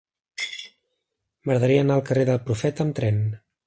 M'agradaria anar al carrer del Profeta amb tren.